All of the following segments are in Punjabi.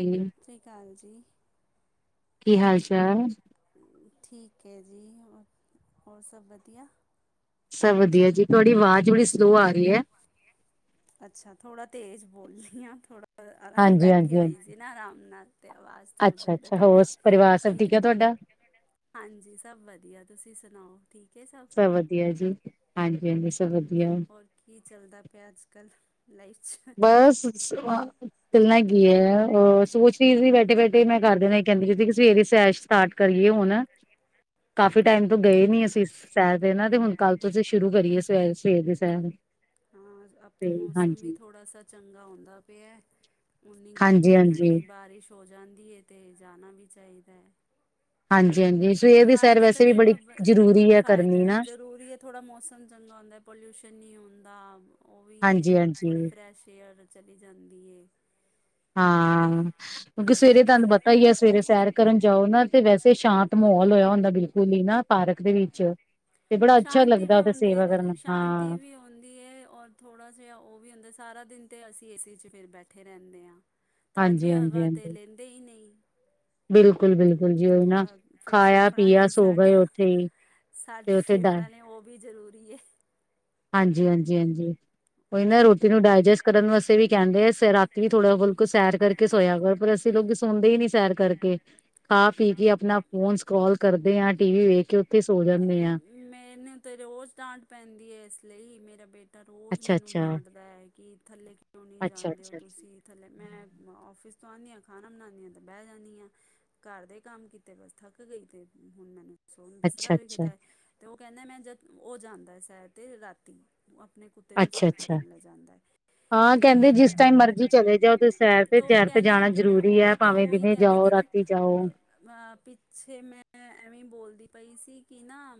ਜੀ ਕੀ ਕਾਲ ਜੀ। ਕੀ ਹਾਲ ਚਾਲ ਠੀਕ ਐ ਜੀ ਹੋਰ ਹੋਰ ਸਭ ਵਧੀਆ। ਸਭ ਵਧੀਆ ਜੀ ਤੁਹਾਡੀ ਵਾਜ਼ ਬੜੀ ਸਲੋ ਆ ਰੀ ਐ। ਅੱਛਾ ਥੋੜਾ ਤੇਜ ਬੋਲਨੀ ਆ ਥੋੜਾ ਅ ਆਰਾਮ ਹਾਂਜੀ ਬੈਠੀ ਹਾਂਜੀ ਹਾਂਜੀ ਹੋਈ ਸੀ ਆਰਾਮ ਨਾਲ ਨਾਲ ਤੇ ਆਵਾਜ਼ ਹੋ ਅੱਛਾ ਸਕਦੈ ਅੱਛਾ ਹੋਰ ਥੋੜ੍ਹੀ ਪਰਿਵਾਰ ਸਭ ਠੀਕ ਧੀਦੇ ਆ ਤੁਹਾਡਾ ਹਾਂਜੀ ਸਭ ਵਧੀਆ ਤੁਸੀਂ ਸੁਨਾਓ ਠੀਕ ਏ ਸਭ ਸਭ ਵਧੀਆ ਜੀ। ਹਾਂਜੀ ਹਾਂਜੀ ਸਭ ਵਧੀਆ ਹੋਰ ਕੀ ਚਲਦਾ ਪਿਐ ਅੱਜ ਕੱਲ੍ਹ ਲਾਈਫ ਚ। ਬਸ ਕਰਨਾ ਕੀ ਏ ਐ ਸੋਚ ਰੀ ਸੀ ਬੈਠੇ ਬੈਠ ਤੇ ਮੈਂ ਕਰ ਦੇਨਾ ਏ ਕੈੰਦੀ ਪੀ ਸੀ ਕਿ ਸਵੇਰੇ ਸੈਸ਼ ਸਟਾਰਟ ਕਰੀਏ ਹੁਨ ਕਾਫੀ ਟਾਈਮ ਤੋਂ ਗਏ ਨੀ ਅਸੀਂ ਸੈਰ ਦੇ ਨਾ ਤੇ ਹੁਨ ਕੱਲ ਤੋਂ ਅਸੀਂ ਸ਼ੁਰੂ ਕਰੀਏ ਸਵੇ ਸਵੇਰ ਦੀ ਸੈਰ। ਹਾਂ ਅਬ ਤੇ ਮੌਸਮ ਵੀ ਥੋੜ੍ਹਾ ਸਾ ਚੰਗਾ ਹੁਂਦਾ ਪਿਐ। ਉਨੀ ਹਾਂਜੀ ਗਰਮੀ ਨੀ ਹਾਂਜੀ ਰਹੀ ਬਾਰਿਸ਼ ਹੋ ਜਾਂਦੀ ਏ ਤੇ ਜਾਨਾ ਵੀ ਚਾਹੀਦੈ। ਹਾਂਜੀ ਹਾਂਜੀ ਸਵੇਰ ਦੀ ਸੈਰ ਫਾਇਦੇ ਤਾਂ ਵੈਸੇ ਵੀ ਬੜੀ ਦੇਖੋ ਬ ਜ਼ਰੂਰੀ ਮ ਹੈ ਫਾਇਦ ਕਰਨੀ ਨਾ ਜ਼ਰੂਰੀਅਤ ਥੋੜ੍ਹਾ ਮੌਸਮ ਚੰਗਾ ਹੁੰਦੈ ਪੋਲੂਸ਼ਨ ਨੀ ਹੁੰਦਾ ਓਹ ਵੀ ਹਾਂਜੀ ਏ ਥੋੜੀ ਹਾਂਜੀ ਫਰੈਸ਼ ਏਅਰ ਚਲੀ ਜਾਂਦੀ ਏ। ਹਾਂ ਕਿਉਂਕਿ ਨਹੀਂ ਸਵੇਰੇ ਤਾਂ ਤੁਹਾਨ ਪਤਾ ਹੀ ਐ ਸਵੇਰੇ ਸੈਰ ਕਰਨ ਜਾਓ ਨਾ ਤੇ ਵੈਸੇ ਸ਼ਾਂਤ ਮਹੌਲ ਹੋਯੈ ਹੁੰਦੈ ਬਿਲਕੁਲ ਹੀ ਨਾ ਪਾਰਕ ਦੇ ਵਿੱਚ। ਤੇ ਬੜਾ ਅੱਛਾ ਸ਼ਾਂਤੀ ਵੀ ਲੱਗਦੈ ਫੇਰ ਹੁੰਦੀ ਸੇਵਾ ਕਰਨਾ ਹੈ ਸ਼ਾਂਤੀ ਹਾਂ। ਵੀ ਹੁੰਦੀ ਏ ਔਰ ਥੋੜਾ ਜੇਹਾ ਓਹ ਵੀ ਹੁੰਦੈ ਸਾਰਾ ਦਿਨ ਤੇ ਅਸੀਂ ਏ ਸੀ ਚ ਫਿਰ ਬੈਠੇ ਰੈੰਦੇ ਆਂ। ਤਾਜ਼ੀ ਹਾਂਜੀ ਹਾਂਜੀ ਹਵਾ ਤੇ ਹਾਂਜੀ ਲੇੰਦੇ ਹੀ ਨਹੀਂ। ਬਿਲਕੁਲ ਬਿਲਕੁਲ ਜੀ ਤੇ ਉਹੀ ਨਾ ਥੋੜਾ ਖਾਇਆ ਫੇ-ਫੇਫੜਾ ਪੀਆ ਲਈ ਸੋ ਸਾਡਾ ਗਏ ਉੱਥੇ ਹੀ ਤੇ ਸਾਡੇ ਉੱਥੇ ਡ ਫੇਫੜੇਆਂ ਲਈ ਓਹ ਵੀ ਜ਼ਰੂਰੀ ਐ। ਹਾਂਜੀ ਹਾਂਜੀ ਹਾਂਜੀ। ਕੋਈ ਨਾ ਉਹ ਰੋਟੀ ਨੂੰ ਡਾਇਜੈਸਟ ਕਰਨ ਵਸਤੇ ਵੀ ਕੈੰਦੇ ਐ ਰਾਤੀ ਵੀ ਥੋੜਾ ਬਲਕ ਸੈਰ ਕਰਕੇ ਸੋਇਆ ਕਰੋ ਪਰ ਅਸੀ ਤੇ ਲੋਕੀ ਸੋੰਦੇ ਹੀ ਨੀ ਸੈਰ ਕਰਕੇ ਖਾ-ਪੀ ਕੇ ਅਪਨਾ ਫੋਨ ਸਕਰੋਲ ਕਰਦੇ ਆ‌। ਟੀ ਵੀ ਵੇਖ ਕੇ ਉੱਥੇ ਸੋ ਜਾਂਨੇ ਆ। ਮੈਨੂੰ ਤਾਂ ਰੋਜ਼ ਡਾਂਟ ਪੈਂਦੀ ਏ ਏਸ ਲਈ ਮੇਰਾ ਬੇਟ ਤਾ ਰੋਜ਼ ਅੱਛਾ ਮੈਨੂੰ ਅੱਛਾ ਡਾਂਟਦੈ ਕਿ ਥੱਲੇ ਕਿਉਂ ਨਹੀਂ ਅੱਛਾ ਜਾਂਦੇ ਹੋ ਅੱਛਾ ਅੱਛਾ ਤੁਸੀਂ। ਥੱਲੇ ਮੈਂ ਔਫਿਸ ਤੋਂ ਆਨੀ ਆਂ ਖਾਨਾ ਬਨਾਨੀ ਆਂ ਤੇ ਬੈ ਜਾਂਨੀ ਆਂ। ਘਰ ਦੇ ਕੰਮ ਕੀਤੇ ਬਸ ਥੱਕ ਗਈ ਤੇ ਹੁਨ ਮੈਨੂੰ ਸੋਨ ਬਿਸਤਰਾ ਅੱਛਾ-ਅੱਛਾ, ਦਿਖਦੈ। ਤੇ ਓਹ ਕੈੰਦੇ ਮੈਂ ਜਦ ਓਹ ਜਾਂਦਾ ਏ ਸੈਰ ਤੇ ਰਾਤੀ ਤੂ ਅਪਨੇ ਕੁ ਤੇਨੂੰ ਸੈਰ ਅੱਛਾ-ਅੱਛਾ ਕਰਾਨ ਲੇ ਜਾਂਦੈ। ਹਾਂ ਕੈੰਦੇ ਜਿਸ ਟਾਈਮ ਮਰਜੀ ਚਲੇ ਜਾਓ ਤੇ ਸੈਰ ਤੇ ਤਾਂ ਉਹ ਤੈਰ ਤੇ ਕਹਿੰਦੇ ਜਾਣਾ ਜਰੂਰੀ ਐ ਭਾਵੇਂ ਦਿਨੇ ਜਾਓ ਰਾਤੀ ਜਾਓ। ਅ ਪਿੱਛੇ ਮੈਂ ਮੈਂ ਐਵੇਂ ਈ ਬੋਲਦੀ ਪਈ ਸੀ ਕਿ ਨਾ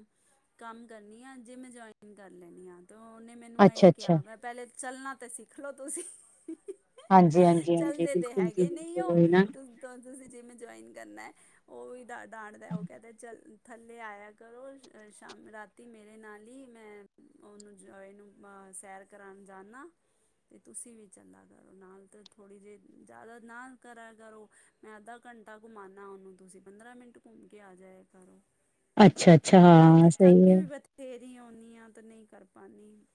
ਕੰਮ ਕਰਨੀ ਆ ਜਿੰਮ ਜੋਇਨ ਕਰ ਲੇਨੀ ਆਂ। ਤਾਂ ਓਨੇ ਮੈਨੂੰ ਐਹੀ ਅੱਛਾ-ਅੱਛਾ ਕਿਆ ਮੈਂ ਪੈਲੇ ਚੱਲਨਾ ਤੇ ਸਿੱਖ ਲੋ ਤੁਸੀਂ। ਹਾਂਜੀ-ਹਾਂਜੀ-ਹਾਂਜੀ ਚੱਲਦੇ ਤੇ ਬਿਲਕੁਲ ਜੀ ਹੈਗੇ ਨਹੀ ਬਿਲਕੁਲ ਓਹ ਉਹੀ ਨਾ ਤੂੰ ਤੇ ਹੁਨ ਤੁਸੀਂ ਜਿੰਮ ਜੋਇਨ ਕਰਨੈ ਓਹ ਵੀ ਡਾਟ ਡਾਟਦੈ। ਕਦੇ ਚਲ ਥੱਲੇ ਆਯਾ ਕਰੋ ਸ਼ ਸ਼ਾਮ ਰਾਤੀ ਮੇਰੇ ਨਾਲ ਈ ਮੈਂ ਓਨੂੰ ਜੋਏ ਨੂੰ ਅਹ ਸੈਰ ਕਰਾਨਾ ਜਾਂਨਾ। ਤੇ ਤੁਸੀਂ ਵੀ ਚਲਾ ਕਰੋ ਨਾਲ ਤ ਥੋੜ੍ਹੀ ਜੀ ਜੈਦਾ ਨਾ ਕਰਾ ਕਰੋ। ਮੈਂ ਅੱਧਾ ਘੰਟਾ ਘੁਮਾਨਾ ਔਨੁ ਤੁਸੀਂ ਪੰਦਰਾਂ ਮਿੰਟ ਘੁੰਮ ਕੇ ਆ ਜਾਯਾ ਕਰੋ ਰ ਅੱਛਾ-ਅੱਛਾ ਰਾਤੀ ਹਾਂ ਸਹੀ ਥਕੀ ਹੈ ਵੀ ਬਥੇਰੀ ਹੋੰਣੀ ਆ ਤੇ ਨਹੀਂ ਕਰ ਪਾਣੀਦ ਆ।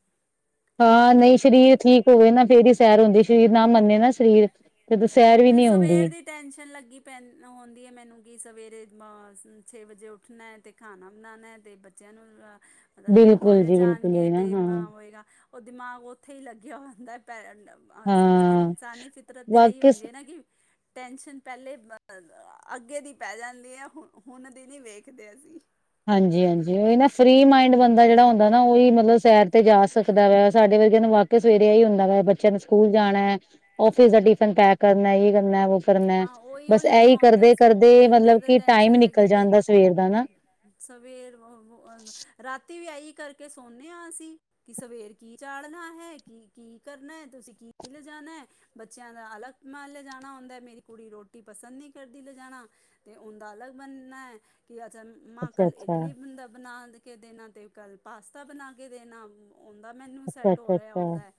ਹਾਂ ਨਹੀਂ ਸਰੀਰ ਠੀਕ ਹੋਵੇ ਨਾ ਫੇਰ ਹੀ ਸੈਰ ਹੁੰਦੀ ਸਰੀਰ ਨਾ ਮੰਨੇ ਨਾ ਸਰੀਰ ਤੇ ਫਿਰ ਸੈਰ ਵੀ ਫਿਰ ਨੀ ਸਵੇਰ ਹੁੰਦੀ ਦੀ ਟੈਨਸ਼ਨ ਲੱਗੀ ਪੈਂ ਹੁੰਦੀ ਹੈ ਮੈਨੂੰ ਕਿ ਸਵੇਰੇ ਛੇ ਵਜੇ ਉੱਠਣਾ ਹੈ ਅਤੇ ਖਾਣਾ ਬਣਾਉਣਾ ਹੈ ਅਤੇ ਬੱਚਿਆਂ ਨੂੰ ਮਤਲਬ ਕਿ ਇਹ ਬਿਲਕੁਲ ਕੋਲਜ ਜੀ ਬਿਲਕੁਲ ਜਾਣਗੇ ਉਹੀ ਨਾ ਅਤੇ ਹਾਂ ਮੈਂ ਹੋਏਗਾ ਉਹ ਦਿਮਾਗ ਉੱਥੇ ਹੀ ਲੱਗਿਆ ਹੁੰਦਾ ਪੈਰ ਅਹ ਹਾਂ ਇਨਸਾਨੀ ਫਿਤਰਤ ਤੇ ਇਹੀ ਵਾਕਿਸ ਹੁੰਦੀ ਹੈ ਨਾ ਕਿ ਟੈਸ਼ਨ ਪਹਿਲੇ ਅੱਗੇ ਦੀ ਪੈ ਜਾਂਦੀ ਹੈ ਹੁ ਹੁਣ ਦੀ ਨਹੀਂ ਵੇਖਦੇ ਅਸੀਂ ਹਾਂਜੀ ਹਾਂਜੀ ਉਹ ਨਾ ਫਰੀ ਮਾਈੰਡ ਬੰਦਾ ਜਿਹੜਾ ਹੁੰਦਾ ਨਾ ਉਹੀ ਮਤਲਬ ਸੈਰ ਤੇ ਜਾ ਸਕਦਾ ਵਾ ਸਾਡੇ ਵਰਗਿਆਂ ਨੂੰ ਵਾਕ ਸਵੇਰੇ ਹੀ ਹੁੰਦਾ ਵਾ ਬੱਚਿਆਂ ਨੂੰ ਸਕੂਲ ਜਾਣਾ ਔਫਿਸ ਦਾ ਟਿਫਿਨ ਪੈਕ ਕਰਨਾ ਯ ਕਰਨਾ ਵ ਕਰਨਾ ਹਾਂ ਉਹੀ ਉਹ ਬਸ ਲਗਾ ਇਹੀ ਹੁੰਦਾ ਕਰਦੇ ਕਰਦੇ ਸਵੇਰ ਦੇ ਮਤਲਬ ਤਾਂ ਕਿ ਟਾਈਮ ਟੈਸ਼ਨ ਲੱਗੀ ਨਿਕਲ ਹੁੰਦੀ ਜਾਂਦਾ ਸਵੇਰ ਦਾ ਨਾ ਹੈ ਸਵੇਰ ਰਾਤੀ ਵੀ ਆਹੀ ਕਰਕੇ ਸੌਦੇ ਹਾਂ ਅਸੀਂ ਕਿ ਸਵੇਰ ਕੀ ਚਾੜਣਾ ਹੈ ਕੀ ਕੀ ਕਰਨਾ ਹੈ ਤੁਸੀਂ ਕੀ ਲਿਜਾਣਾ ਹੈ ਬੱਚਿਆਂ ਦਾ ਅਲਗ ਮ ਲਿਜਾਣਾ ਹੁੰਦਾ ਮੇਰੀ ਕੁੜੀ ਰੋਟੀ ਪਸੰਦ ਨਹੀਂ ਕਰਦੀ ਲਿਜਾਣਾ ਤੇ ਉਹਦਾ ਅਲਗ ਬਣਨਾ ਹੈ ਕਿ ਅੱਜ ਮਾਂ ਕੱਲ ਅੱਛਾ-ਅੱਛਾ, ਇਡਲੀ ਬਦਾ ਬਣਾ ਕੇ ਦੇਣਾ ਅਤੇ ਕੱਲ ਪਾਸਤਾ ਬਣਾ ਕੇ ਦੇਣਾ ਆਉਂਦਾ ਮੈਨੂੰ ਸੈਟ ਹੋ ਰਿਹਾ ਅੱਛਾ-ਅੱਛਾ-ਅੱਛਾ। ਆਦਾ ਹੈ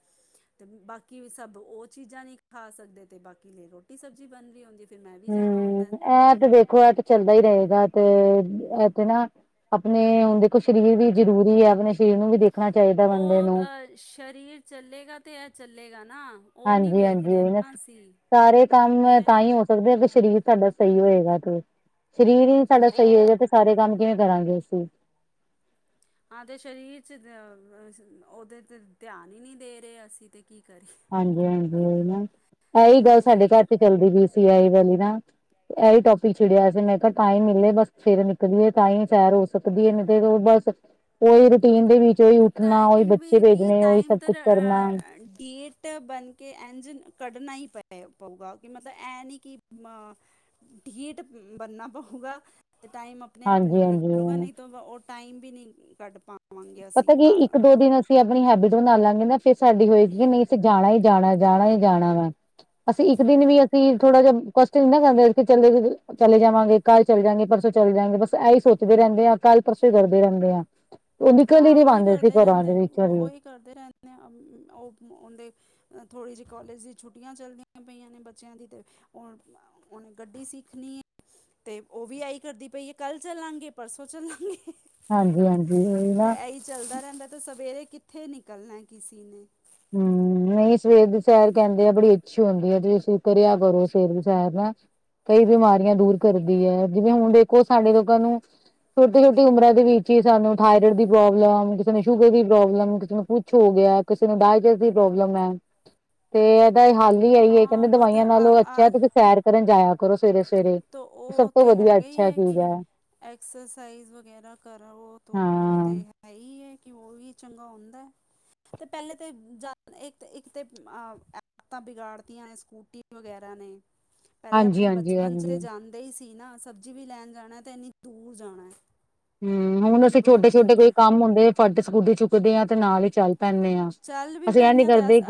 ਤੇ ਬਾਕੀ ਸਭ ਉਹ ਚੀਜ਼ਾਂ ਨੀ ਖਾ ਸਕਦੇ ਤੇ ਬਾਕੀ ਲ ਰੋਟੀ ਸਬਜ਼ੀ ਬਣ ਰਹੀ ਹੁੰਦੀ ਫਿਰ ਮੈਂ ਵੀ ਜਾਣਾ ਹਮ ਹੁੰਦਾ ਇਹ ਤੇ ਦੇੇਖੋ ਇਹ ਤੇ ਚੱਲਦਾ ਹੀ ਰਹੇਗਾ ਤੇ ਇਹ ਤੇ ਨਾ ਆਪਣੇ ਉਹ ਦੇਖੋ ਸਰੀਰ ਵੀ ਜਰੂਰੀ ਹੈ ਆਪਣੇ ਸਰੀਰ ਨੂੰ ਵੀ ਦੇਖਣਾ ਚਾਹੀਦਾ ਬੰਦੇ ਉਹ ਨੂੰ। ਅਹ ਸਰੀਰ ਚੱਲੇਗਾ ਤੇ ਇਹ ਚੱਲੇਗਾ ਨਾ ਉਹ ਨਹੀਂ ਹਾਂਜੀ ਵੇਖ ਹਾਂਜੀ ਰਹੇ ਉਹੀ ਨਾ ਅਸੀਂ ਸਾਰੇ ਕੰਮ ਤਾਂ ਸਰੀ ਹੀ ਹੋ ਸਕਦੇ ਆ ਸਰੀਰ ਸਾਡਾ ਸਹੀ ਹੋਏਗਾ ਤੇ ਸਰੀਰ ਹੀ ਸਾਡਾ ਸਹੀ ਹੋਏਗਾ ਤੇ ਸਾਰੇ ਕੰਮ ਕਿਵੇਂ ਕਰਾਂਗੇ ਅਸੀਂ ਹਾਂ ਤੇ ਸਰੀਰ 'ਚ ਉਹਦੇ ' ਧਿਆਨ ਹੀ ਨਹੀਂ ਦੇ ਰਹੇ ਅਸੀਂ ਤੇ ਕੀ ਕਰੀਏ ਹਾਂਜੀ ਹਾਂਜੀ ਇਹੀ ਗੱਲ ਬਹੁ ਸਾਡੇ ਘਰ ਚ ਚੱਲਦੀ ਪਈ ਸੀ ਆ ਵਾਲ ਨਾ ਇਹੀ ਟੋਪਿਕ ਛਿੜਿਆ ਸੀ ਮੈਂ ਕਿਹਾ ਟਾਈਮ ਮਿਲੇ ਬਸ ਫਰ ਨਿਕਲੀਏ ਤਾਂ ਹੀ ਸੈਰ ਸਕਦੀ ਹੈ ਨੇ ਤੇ ਉਹ ਬ ਉਹੀ ਰੂਟੀਨ ਦੇ ਵਿੱਚ ਉਹੀ ਉੱਠਣਾ ਉਹੀ ਟਾਈਮ ਬੱਚੇ ਭੇਜਣੇ ਉਹੀ ਸਭ ਕੁਛ ਕਰਨਾ ਤੇ ਕਿ ਬਣ ਕੇ ਇੰਝ ਕੱਢਣਾ ਹੀ ਪੈ ਪਊਗਾ ਕਿ ਮਤਲਬ ਇਹ ਨੀ ਕਿ ਅ ਢੀਠ ਬਣਨਾ ਪਊਗਾ ਅਤੇ ਟਾਈਮ ਆਪਣੇ ਆਪ ਹਾਂਜੀ ਨ ਹਾਂਜੀ ਤੋਂ ਉਹ ਟਾਈਮ ਵੀ ਨਹੀਂ ਕੱਢ ਪਾ ਪਤਾ ਕੀ ਇੱਕ ਦੋ ਦਿਨ ਅਸੀਂ ਆਪਣੀ ਹੈਬਿਟ ਬਣਾ ਲਾਂਗੇ ਨਾ ਫੇਿਰ ਸਾਡੀ ਹੋਏਗੀ ਕਿ ਨਹੀਂ ਅਸੀਂ ਜਾਣਾ ਹੀ ਜਾਣਾ ਜਾਣਾ ਜਾਣਾ ਵਾ ਅਸੀਂ ਇੱਕ ਦਿਨ ਵੀ ਅਸੀਂ ਥੋੜਾ ਜਿਹਾ ਕਸ਼ਟ ਨ ਨਾ ਕਰਦੇ ਚੱਲ ਚਲੇ ਜਾਵਾਂਗੇ ਕੱਲ੍ਹ ਚਲੇ ਜਾਗੇ ਪਰਸੋਂ ਚੱਲ ਜਾਗੇ ਬਸ ਇਹੀ ਸੋਚਦੇ ਰਹਿੰਦੇ ਆਾਂ ਕੱਲ੍ਹ ਪਰਸੋਂ ਹੀ ਕਰਦੇ ਰਹਿੰਦੇ ਆ ਉਹਦੀ ਕਲੀ ਹਾਂ ਨਹੀਂ ਉਹੀ ਬਣਦੇ ਸੀ ਕਰਦੇ ਘਰਾਂ ਰਹਿੰਦੇ ਦੇ ਉਹ ਵਿੱਚਾਰੀ ਉਹੀ ਕਰਦੇ ਰਹਿੰਦੇ ਉਹ ਉਹਦੇ ਥੋੜ੍ਹੀ ਜਿਹੀ ਕੋਾਲਜ ਦੀ ਛੁੱਟੀਆਂ ਚੱਲਦੀਆਂ ਪਈਆਂ ਨੇ ਬੱਚਿਆਂ ਦੀ ਤੇ ਹਣ ਉਹਨੇ ਗੱਡੀ ਸਿੱਖਣੀ ਤੇ ਉਹ ਵੀ ਆਈ ਕਰਦੀ ਪਈ ਆ ਕੱਲ ਚੱਲਾਂਗੇ ਪਰਸੋਂ ਚੱਲਾਂਗੇ ਹਾਂਜੀ ਹਾਂਜੀ ਉਹੀ ਅਤੇ ਨਾ ਇਹੀ ਚੱਲਦਾ ਰਹਿੰਦਾ ਤਾਂ ਸਵੇਰੇ ਕਿੱਥੇ ਨਿਕਲਣਾ ਕਿੇ ਨੇ ਹਮ ਨਹੀਂ ਸਵੇਰ ਦੀ ਸੈਰ ਕਹਿੰਦੇ ਆ ਬੜੀ ਅੱਛੀ ਹੁੰਦੀ ਹੈ ਤੇ ਤੁਸੀਂ ਕਰਿਆ ਕਰੋ ਸਵੇਰ ਦੀ ਸੈਰ ਨਾ ਕਈ ਬਿਮਾਰੀਆਂ ਦੂਰ ਕਰਦੀ ਹੈ ਜਿਵੇਂ ਹੁਣ ਦੇਖੋ ਸਾਡੇ ਲੋਕਾਂ ਨੂੰ ਛੋਟੀ ਛੋਟੀ ਉਮਰਾਂ ਦੇ ਵਿੱਚ ਹੀ ਸਾਨੂੰ ਥਾਇਰੋਡ ਦੀ ਪ੍ਰੋਬਲਮ ਕਿਸੇ ਨੂੰ ਸ਼ੂਗਰ ਦੀ ਪ੍ਰੋਬਲਮ ਕਿਸੇ ਨੂੰ ਹੋ ਗਿਆ ਕਿਸੇ ਨੂੰ ਡਾਇਬਿਟੀਜ ਦੀ ਪ੍ਰੋਬਲਮ ਹੈ ਤੇ ਇਹਦਾ ਹੱਲ ਹੀ ਆਈ ਏ ਹਾਂ ਕਹਿੰਦੇ ਬਟ ਦਵਾਈਆਂ ਨਾਲੋਂ ਅੱਛਾ ਆ ਤੇ ਸੈਰ ਸੈਰ ਤੇ ਜਾਇਆ ਕਰੋ ਸਵੇਰੇ ਸਵੇਰੇ ਤਾਂ ਸਭ ਉਹ ਤੋਂ ਤਾਂ ਵਧੀਆ ਹੈਗਾ ਹੀ ਅੱਛਾ ਚੀਜ਼ ਕਿ ਹੈ ਐਕਸਰਸਾਈਜ਼ ਵਗੈਰਾ ਹਾਂ ਕਰਤੇ ਹੈ ਹੈਹੀ ਏ, ਕਿ ਉਹ ਵੀ ਚੰਗਾ ਹੁੰਦਾ। ਤੇ ਪਹਿਲੇ ਤੇ---ਜਾ--ਦਾ ਇੱਕ ਤੇ--ਇੱਕ ਅਂ ਦਤਾਂ ਬਿਗਾੜਤੀਆਂ ਨੇ ਸਕੂਟੀ ਵਗੈਰਾ ਨੇ, ਪਹਿਲੇ ਆਪਣੇ ਹਾਂਜੀ ਬੱਚ ਹਾਂਜੀ ਹਾਂਜੀ ਜਾਂਦੇ ਹੀ ਸੀ ਨਾ, ਸਬਜ਼ੀ ਵੀ ਲੈਣ ਜਾਣਾ, ਤੇ ਇੰਨੀ ਦੂਰ ਜਾਣਾ। ਹੂੰ, ਹੁਣ ਅਸੀਂ ਛੋਟੇ-ਛੋਟੇ ਕੋਈ ਕੰਮ ਹੁੰਦੇ, ਫਟ ਸਕੂਟੀ ਚੁੱਕਦੇ ਆਂ, ਤੇ ਨਾਲ ਹੀ ਚੱਲ ਪੈਂਨੇ ਆਂ‌। ਚੱਲ ਵੀ ਪੈਂਨੇ ਆ, ਤੇ ਅ--ਸ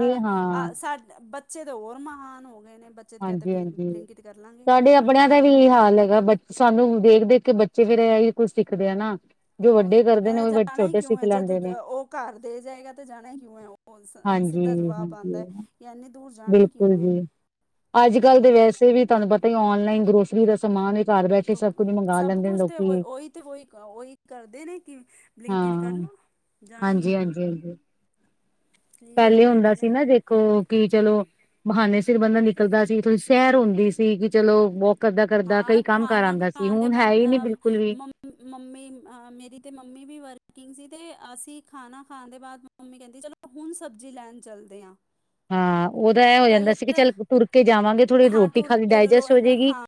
ਅ ਸਾ--ਬੱਚੇ ਤਾਂ ਹੋਰ ਮਹਾਨ ਹੋ ਗਏ ਨੇ, ਬੱ ਬੱਚੇ ਤ ਕਹਿਤੇ ਬਿਲ--ਬਲੀਂਕੀਟ ਕਰ ਲਾਂਗੇ। ਬੜਿਆਂ ਦਾ ਵੀ ਇ ਹਾਲ ਹੈਗਾ, ਬ ਸਾਨੂੰ ਦੇਖ-ਦੇਖਕੇ ਬੱਚੇ ਫਿਰ ਇਹੀ ਕੁਝ ਸਿੱਖਦੇ ਆ, ਨਾ। ਜੋ ਵੱਡੇ ਉਹ ਕਰਦੇ ਨੇ ਕਹਿੰਦੇ, ਉਹ ਜਾਣਾ ਹੀ ਛੋਟੇ ਕਿਉਂ ਸਿੱਖ ਏ, ਜਦ ਲੈਂਦੇ ਨੇ ਉਹ ਘਰ ਦੇ ਜਾਏਗਾ ਤੇ ਜਾਣਾ ਹੀ ਕਿਉਂ ਹੈ। ਉਹ ਹਾਂਜੀ ਸ--ਸਿੱਧਾ ਜਵਾਬ ਆੰਦਾ ਹਾਂਜੀ ਐ, ਯਾ ਇੰਨੀ ਦੂਰ ਜਾਣਾ ਹੈ ਕਿਂਉ ਏ। ਅੱਜ-ਕੱਲ ਤੇ ਵੈਸੇ ਵੀ ਤੁਹਾਨੂੰ ਪਤਾ ਹੀ, ਔਨਲਾਈਨ ਗਰੋਸਰੀ ਦਾ ਸਮਾਨ ਘਰ ਬੈਠੇ ਸਭ ਕੁੱਝ ਮੰਗਵਾ ਸਭ ਲੈਂਦੇ ਨੇ ਕੁਛ ਤੇ, ਲੋਕੀ ਉਹੀ ਤੇ, ਉਹੀ-ਉਹੀ ਕਰਦੇ ਨੇ, ਕਿ ਬਲਿੰਕੀਟ ਕਰਲੋ। ਹਾਂਜੀ-ਹਾਂਜੀ-ਹਾਂਜੀ। ਕਲੀਅਰ ਪਹਿਲੇ ਹੁੰਦਾ ਬੋਲਦੇ ਨੇ ਸੀ ਨਾ ਦੇਖੋ, ਕੀ ਚਲੋ ਬਹਾਨੇ ਸੀਰ ਬੰਦਾ ਨਿਕਲਦਾ ਸੀ, ਥੋੜੀ ਸੈਰ ਹੋਂਦੀ ਸੀ, ਕਿ ਚਲੋ ਵੌ ਕਰਦਾ-ਕਰਦਾ ਹਾਂ ਕਈ ਕੰਮ ਕਰ ਖਾਣਾ ਆਂਦਾ ਸੀ, ਖਾਣ ਦੇ ਹੁਣ ਮਨ ਹੈਹੀ ਨੀ, ਬਿਲਕੁਲ ਵੀ। ਮ ਮੰਮੀ, ਮੇਰੀ ਤੇ ਮੰਮੀ ਵੀ ਵਰਕਿੰਗ ਸੀ, ਤੇ ਅਸੀਂ ਖਾਣਾ-ਖਾਣ ਦੇ ਬਾਅਦ ਮੰਮੀ ਕਹਿੰਦੀ ਚਲੋ, ਹੁਣ ਸਬਜ਼ੀ ਲੈਣ ਚੱਲਦੇ ਆਂ। ਹਾਂ, ਉਹਦਾ ਐ ਹੋ ਜਾਂਦਾ ਸੀ ਕਿ ਚੱਲ, ਤੁਰਕੇ ਜਾਵਾਂਗੇ ਥੋੜੀ ਹਾਂ ਰੋਟੀ ਟੁਰ ਖਾਕੇ ਕੇ ਰੋ ਡਾਇਜੈਸਟ ਹੋਜੇਗੀ। ਹਾਂ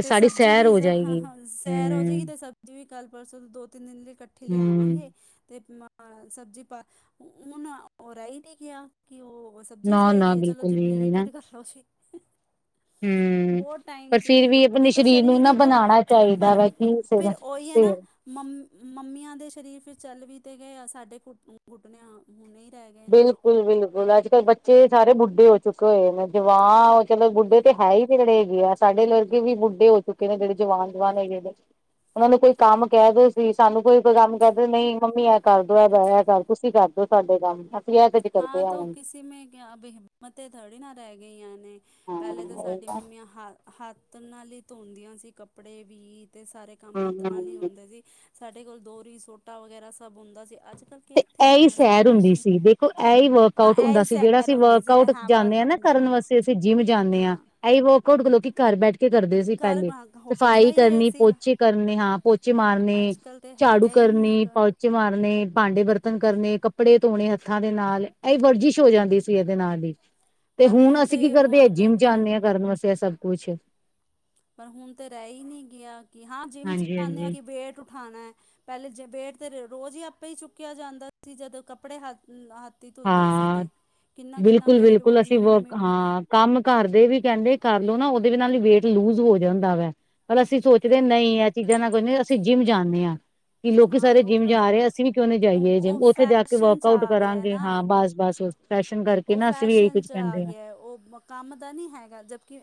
ਤੇ ਸਬਜ਼ੀ ਵੀ, ਹੇਂ, ਸੈਰ ਹੋਜੇਗੀ, ਹਮ ਤੇ ਸਬਜ਼ੀ ਵੀ ਕੱਲ-ਪਰਸੋ ਦੋ-ਤਿੰਨ ਦਿਨ ਲਈ ਕੱ ਠੀ ਹਮ ਲਿਆਵਾਂਗੇ, ਤੇ ਹਾਂ, ਸਬਜ਼ੀ ਪਾ ੳਨ, ਉਹ ਰਿਹੀ ਨੀ ਗਿਆ, ਕਿ ਉਹ ਸਬਜ਼ੀ ਨਾ ਨਾ ਚਾਹੀਦੀ ਏ ਬਿਲਕੁਲ ਜੇ ਵੀ ਨਾ ਬਲੀਂਕੀਟ ਕਰਲੋ ਜੀ। ਹੂੰ, ਬਹੁਤ ਪਰ ਟਾਈਮ ਫਿਰ ਚੇਂਜ ਵੀ ਆਪਣੇ ਹੋਗਿਆ, ਤੋ ਨੂੰ ਸਰੀਰ ਨਾ ਵੀ ਤੋਂ, ਬਣਾਣਾ ਚਾਹੀਦਾ ਪਰ ਵਾ ਕਿ ਸਿਰ ਫਿਰ ਉਹੀ ਹੈ ਨਾ, ਸਿਰ ਮੰ ਮੰਮੀਆਂ ਦੇ ਸ਼ਰੀਰ ਫਿਰ ਚੱਲ ਵੀ ਤੇ ਗਏ, ਸਾਡੇ ਕੁ ਘੁਟਣਿਆਂ, ਹੁਣੇ ਹੀ ਰਹਿ ਗਏ ਨੇ। ਬਿਲਕੁਲ-ਬਿਲਕੁਲ, ਅੱਜ-ਕੱਲ ਬੱਚੇ ਸਾਰੇ ਬੁੱਢੇ ਹੋ ਚੁੱਕੇ ਹੋਏ ਨੇ, ਜਵਾਨ, ਉਹ ਚਲੋ ਬੁੱਢੇ ਤੇ ਹੈਹੀ ਜਿਹੜੇ ਹੇਗੇ ਆ, ਸਾਡੇ ਲੜਕੇ ਵੀ ਬੁੱਢੇ ਹੋ ਚੁੱਕੇ ਨੇ, ਜਿਹੜੇ ਜਵਾਨ-ਜਵਾਨ ਹੈਗੇ ਨੇ। ਉਹਨਾ ਨੂੰ ਕੋਈ ਕੰਮ ਕਹਿਦੋ ਵੀ ਸਾਨੂੰ ਕੋਈ ਕੰਮ ਕਹਿਦੇ, ਨਹੀਂ ਮੰਮੀ ਐ ਕਰਦੋ, ਐ ਕਰ, ਤੁਸੀਂ ਕਰਦੋ ਸਾਡੇ ਕੰਮ। ਅਸੀਂ ਇਹ ਕੁੱਝ ਕਰਦੇ ਹਾਂ, ਆ ਤੋ, ਹੁਣ ਕਿਸੀ ਮੇਂ ਹਿੰਮਤ ਥੋੜ੍ਹੀ ਨਾ ਰਹਿ ਗਈਆਂ ਨੇ, ਹਾਂ, ਪਹਿਲੇ ਤਾਂ ਹੂੰ ਸਾਡੀ ਮੰਮੀਆਂ ਹ ਹੱਥ ਨਾਲ ਹੀ ਧੋਂਦੀਆਂ ਸੀ ਕੱਪੜੇ ਵੀ, ਤੇ ਸਾਰੇ ਕੰਮ ਹੱਥ ਨਾਲ ਹੀ ਹੂੰ ਹੁੰਦੇ ਸੀ। ਸਾਡੇ ਕੋਲ ਦੋਰੀ, ਸੋਟਾ ਵਗੈਰਾ ਸਭ ਹੁੰਦਾ ਸੀ, ਅੱਜ-ਕੱਲ ਤੇ ਐਈ ਸੈਰ ਹੁੰਦੀ ਸੀ। ਦੇਖ ਐਈ ਹਾਂ ਵਰਕਆਊਟ ਇਹ ਹੁੰਦਾ ਹੀ ਸੀ, ਜਿਹੜਾ ਸੈਰ ਅਸੀਂ ਹੁੰਦੀ ਵਰਕ ਸੀ ਇਹ ਆਊਟ ਹਾਂ ਬਾਹਰ ਜਾਂਨੇ ਆਂ ਨਾ ਕੰਡ ਕਰਨ ਹਾਂ ਵਾਸਤੇ ਤੇ ਅਸੀਂ ਜਿੰਮ ਜਾਂਨੇ ਆਂ, ਹਾਂ ਐਹੀ ਵਰਕਆਊਟ ਲੋਕੀ ਘਰ ਬੈਠਕੇ ਕਰਦੇ ਸੀ ਘਰ ਪਹਿਲੇ, ਹੁੰਦਾ ਸਫ਼ਾਈ ਹੀ ਇਹ ਕਰਨੀ, ਸੀ ਪੋਚੇ ਕਰਨੇ, ਹਾਂ ਪੋਚੇ ਮਾਰਨੇ ਅੱਜ ਕੱਲ੍ਹ ਤਾਂ ਝਾੜੂ ਹੈਗਾ ਹੀ ਨਹੀਂ ਹੈ ਕਰਨੇ, ਕ- ਪਾਉਚੇ ਮਾਰਨੇ, ਭਾਂਡੇ-ਬਰਤਨ ਕਰਨੇ, ਕੱਪੜੇ ਧੋਣੇ ਹੱਥਾਂ ਦੇ ਨਾਲ, ਇਹ ਵਰਜੀਸ਼ ਹੋ ਜਾਂਦੀ ਸੀ, ਇਹਦੇ ਨਾਲ ਹੀ। ਤੇ ਪਰ ਹੁਣ ਅਸੀਂ ਤੇ ਕੀ ਕਰਦੇ ਆ, ਉਹ ਤਾਂ ਜਿੰਮ ਕ- ਜਾਂਨੇ ਆ, ਕਰਨ ਵਾਸਤੇ ਇਹ ਸਭ ਕੁਛ। ਪਰ ਹੁਣ ਤੇ, ਰਹਿ ਹੀ ਨਹੀਂ ਗਿਆ, ਕਿ ਹਾਂ ਜਿੰਮ ਹਾਂਜੀ ਜਾਂਨੇ, ਆਂ, ਹਾਂਜੀ ਕਿ ਵੇਟ ਉਠਾਣਾ ਏ ਪਹਿਲੇ ਜ ਵੇਟ ਤੇ, ਰੋਜ਼ ਹੀ ਆਪੇ ਹੀ ਚੁੱਕਿਆ ਜਾਂਦਾ ਸੀ, ਜਦੋਂ ਕੱਪੜੇ ਹੱਥ, ਹੱਥ ਧੁਲਦੇ ਸੀ ਹਾਂ ਤੇ, ਕਿੰਨਾ-ਕਿੰਨਾ ਵੇਟ ਵੋ ਬਿਲਕੁਲ-ਬਿਲਕੁਲ ਅਸੀਂ ਵਰਕ ਮ--'ਮੰਮੀ' ਹਾਂ ਕੰਮ ਘਰਦੇ ਵੀ ਕਹਿੰਦੇ ਕਰਲੋ ਨਾ, ਉਹਦੇ ਨਾਲ ਵੇਟ ਲੂਜ ਹੋ ਜਾਂਦਾ ਵੈ। ਪਰ ਅਸੀਂ ਸੋਚਦੇ ਆਂ, ਹਾਂ ਨਹੀਂ। ਐ ਚੀਜ਼ਾਂ ਨਾਲ ਕੁਛ ਨਹੀਂ, ਅਸੀਂ ਜਿੰਮ ਜਾਂਨੇ ਆਂ। ਕੀ ਲੋਕੀ ਹਾਂ ਸਾਰੇ ਜਿੰਮ ਜਾ ਰਹੇ ਆ, ਅਸੀਂ ਵੀ ਕਿਉਂ ਨਾ ਉਹ ਜਾਈਏ ਉਹ ਜਿੰਮ, ਉੱਥੇ ਜਾਕੇ ਫੈਸ਼ਨ 'ਚ ਵਰਕਆਉਟ ਆ ਗਿਆ ਕਰਾਂਗੇ, ਨਾ ਹਾਂ, ਬਸ-ਬਸ ਫੈਸ਼ਨ ਕਰ ਉਹ ਫੈਸ਼ਨ'ਚ ਆਗਿਆ, ਉਹ ਕੰਮ ਦਾ ਨਹੀਂ ਹੈਗਾ ਜਬਕਿ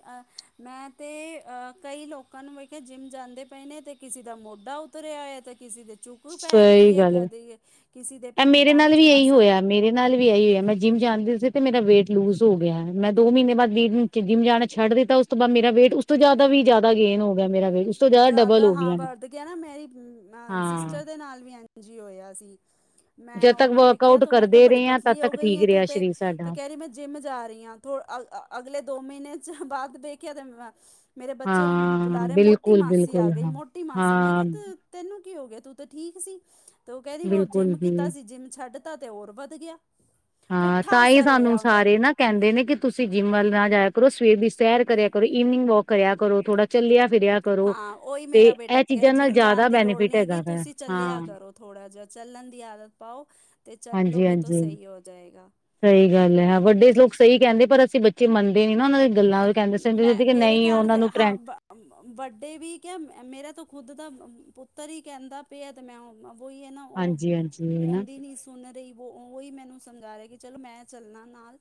ਮੈਂ ਤੇ, ਅ ਕਈ ਲੋਕਾਂ ਨੂੰ ਵੇਖਿਆ ਜਿੰਮ ਜਾਂਦੇ ਪਏ ਨੇ, ਤੇ ਕਿਸੇ ਦਾ ਮੋਢਾ ਤੂਰਿਆ ਹੋਇਆ ਤੇ, ਕਿਸੇ ਦੇ ਚੁੱਕ ਪੈ ਸਹੀ ਗਈ ਹੈ, ਗੱਲ ਕਦੇ ਕਿਸੇ ਦੇ ਇਹ ਮੇਰੇ ਟੰਗ ਨਾਲ ਚ ਵੀ ਇਹੀ ਮਸਾਂ ਹੋਇਆ ਮੇਰੇ ਨਾਲ ਵੀ, ਆਹੀ ਹੋਇ ਹੈ। ਮੈਂ ਜਿੰਮ ਜਾਂਦੀ ਸੀ, ਤੇ ਮੇਰਾ ਵੇਟ ਲੂਜ ਹੋ ਗਿਆ। ਮੈਂ ਦੋ ਮਹੀਨੇ ਬਾਅਦ ਲੀਡ ਜਿੰਮ ਜਾਣਾ ਛੱਡ ਦਿੱਤਾ, ਉਸ ਤੋਂ ਬਾਅਦ ਮੇਰਾ ਵੇਟ ਤੋਂ ਜ਼ਿਆਦਾ ਵੀ ਜ਼ਿਆਦਾ ਗੇਨ ਹੋ ਗਿਆ ਮੇਰਾ ਵੇਟ ਉਸ ਤੋਂ ਡਬਲ ਜ਼ਿਆਦਾ ਹੋ ਹਾਂ, ਗਿਆ ਮੈਂ ਵਦ ਗਿਆ ਨਾ। ਮੇਰੀ ਅ ਹਾਂ ਸਿਸਟਰ ਦੇ ਨਾਲ ਵੀ, ਇਜਂ ਹੀ ਹੋਇਆ ਸੀ। ਮੈਂ ਜਦ ਤੱਕ ਉਹਨੂੰ ਵੇਖਿਆ, ਵਰਕਆਊਟ ਤੂੰ ਮੈਂ ਕਿਹਾ ਕਰਦੇ ਬੜੀ, ਰਹੇ ਹਾਂ ਤਦ ਪਤਲੀ ਹੋ ਤੱਕ ਗਈ ਠੀਕ ਹੈ। ਤੂੰ ਰਿਹਾ ਤੇ, ਸਰੀਰ ਤੇ ਸਾਡਾ ਕਹਿ ਰਹੀ ਮੈਂ ਜਿੰਮ ਜਾ ਰਹੀ ਹਾਂ। ਅਗਲੇ ਦੋ ਮਹੀਨੇ ਚ, ਬਾਅਦ ਦੇਖਯਾ ਮੇਰੇ ਬੱਚੇ, ਉਹਨੂੰ ਹਾਂ ਬੁਲਾ ਰਹੇ, ਮੋਟੀ ਬਿਲਕੁਲ ਮਾਸੀ ਆ ਬਿਲਕੁਲ ਗਈ, ਹਾਂ ਮੋਟੀ ਮਾਸੀ। ਮੈਂ ਹਾਂ ਕਿਹਾ ਤੁ ਤੈਨੂੰ ਕੀ ਹੋ ਗਿਆ, ਤੂੰ ਤੇ, ਠੀਕ ਸੀ। ਤੇ ਉਹ ਕੈਰੀ ਵ ਬਿਲਕੁਲ ਜਿੰਮ ਕੀਤਾ ਜੀ ਸੀ। ਜਿੰਮ ਛੱਡ ਤਾ। ਤੇ ਹੋਰ ਵੱਧ ਗਿਆ, ਹਾਂ ਪੁੱਠਾ ਤਾਂ ਹੀ ਅਸਰ ਹੋਇਆ ਸਾਨੂੰ ਉਹਦਾ। ਸਾਰੇ ਨਾ ਕਹਿੰਦੇ ਨੇ ਕਿ, ਤੁਸੀਂ ਜਿੰਮ ਵੱਲ, ਨਾ ਜਾਯਾ ਕਰੋ। ਸਵੇਰ ਦੀ ਸੈਰ, ਕਰਿਆ ਕਰੋ। ਇਵਨਿੰਗ ਵੋਕ ਕਰਿਆ ਕਰੋ। ਥੋੜਾ ਚੱਲਿਆ ਫਿਰਿਆ ਕਰੋ। ਹਾਂ ਉਹੀ ਤੇ ਮੇਰਾ ਬੇਟਾ ਇਹ ਕਹਿ ਚੀਜ਼ਾਂ ਨਾਲ, ਜਿੰਮ ਜ਼ਿਆਦਾ ਜਾਣ ਦੀ ਲੋੜ ਬੈਨੀਫਿਟ ਨਹੀਂ ਹੈਗੀ ਹੈਗਾ ਵਾ ਤੁਸੀਂ ਚੱਲਿਆ ਹਾਂ ਕਰੋ। ਥੋੜ ਜਿਹਾ, ਚੱਲਣ ਦੀ ਆਦਤ ਪਾਓ। ਤੇ ਹਾਂਜੀ- ਚੱਲੋਗੇ ਤਾਂ ਹਾਂਜੀ, ਸਹੀ ਹੋ ਜਾਏਗਾ ਸਹੀ ਗੱਲ ਹੈ। ਵੱਡੇ ਲੋਕ ਸਹੀ ਕਹਿੰਦੇ। ਪਰ ਅਸੀਂ ਬੱਚੇ, ਮੰਨਦੇ ਨੀ, ਨਾ ਉਹਨਾਂ ਦੀ ਗੱਲਾਂ। ਕਹਿੰਦੇ ਸੀ ਮੈਂ ਕਿ ਮੇਰੇ ਨਹੀਂ ਘਰ ਉਹਨਾਂ ਦੇ ਨੂੰ ਟਰੈਂ ਹਾਂ ਬ- ਵੱਡੇ ਵੀ, ਕਿਆ ਮੇਰਾ ਤੋਂ, ਖੁਦ ਦਾ ਪੁੱਤਰ ਹੀ, ਕਹਿੰਦਾ ਪਿਆ। ਤੇ ਮੈਂ, ਉਹਣਾਂ ਵਹੀ ਹੈ ਨਾ, ਉਹ ਹਾਂਜੀ ਹਾਂਜੀ ਨਾ ਆਉਂਦੀ ਨੀ ਸੀ ਸੁਣ ਰਹੀ। ਵ ਉਹੀ ਮੈਨੂੰ, ਸਮਝਾ ਰਿਹਾ। ਕਿ ਚਲੋ ਮੈਂ ਚੱਲਣਾ ਨਾਲ।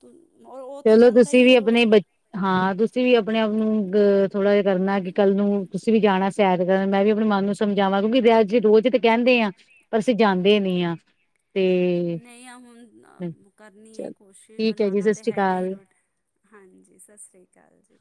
ਤ ਉਹ ਤੇ, ਚਲੋ ਜਾਂਦਾ ਤੁਸੀਂ ਹੀ, ਵੀ ਹੈ ਆਪਣੇ ਰੋਜ਼। ਬ ਹਾਂ, ਤੁਸੀਂ ਵੀ ਆਪਣੇ ਆਪ ਨੂੰ, ਅ ਥੋੜਾ ਜਿਹਾ ਕਰਨਾ, ਕਿ ਕੱਲ ਨੂੰ ਤੁਸੀਂ ਵੀ, ਜਾਨਾ ਹੈ ਸੈਰ ਕਰਨ। ਮੈਂ ਵੀ ਆਪਣੇ ਮਨ ਨੂੰ ਸਮਝਾਵਾਂ। ਕਿਉਂ ਕਿਜੇ ਰੋਜ਼ ਤੇ ਕਹਿੰਦੇ ਆ। ਪਰ ਅਸੀਂ ਜਾਂਦੇ ਨੀ ਹਾਂ। ਨਹੀਂ ਆ ਹੁਣ, ਕਰਨੀ ਹੈ, ਕੋਸ਼ਿਸ਼। ਠੀਕ ਹੈ ਜੀ ਬਨਾਨਾ ਸਤਿ ਤਾਂ ਸ੍ਰੀ ਹੈਗਾ। ਹੀ ਅਕਾਲ ਰੋਟ ਹਾਂਜੀ, ਸਤਿ ਸ਼੍ਰੀ ਅਕਾਲ ਜੀ।